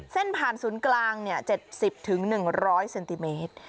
เส้นผ่านศูนย์กลางเนี้ยเจ็บสิบถึงหนึ่งร้อยเซนติเมตร